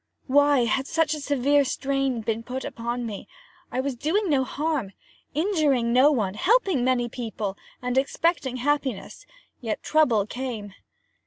Why has such a severe strain been put upon me? I was doing no harm, injuring no one, helping many people, and expecting happiness; yet trouble came.